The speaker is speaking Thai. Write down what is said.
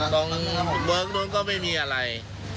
ตรงนั้นเมื่อถึงมันก็ไม่มีอะไร